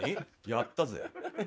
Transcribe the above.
やったぜ。